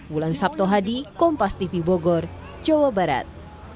wulan sabto hadi kompas tv bogor jawa barat